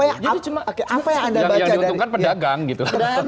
yang diuntungkan pedagang gitu